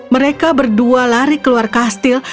mereka berdua lari keluar kastil